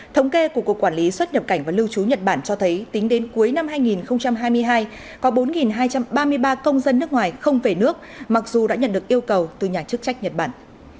thống kê của cục quản lý xuất nhập cảnh và lưu trú nhật bản cho thấy tính đến cuối năm hai nghìn hai mươi hai có bốn hai trăm ba mươi ba công dân nước ngoài không về nước mặc dù đã nhận được yêu cầu từ nhà chức trách nhật bản